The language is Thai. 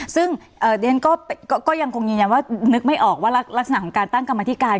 ซึ่งเรียนก็ยังคงยืนยันว่านึกไม่ออกว่ารักษณะของการตั้งกรรมธิการ